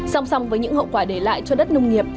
song song với những hậu quả để lại cho đất nông nghiệp